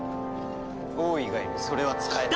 王以外にそれは使えない。